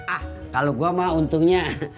ah kalau gue mah untungnya